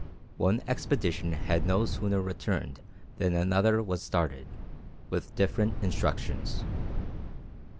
One expedition had no sooner returned than another was started, with different instructions.